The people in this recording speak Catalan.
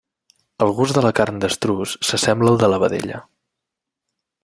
El gust de la carn d'estruç s'assembla al de la vedella.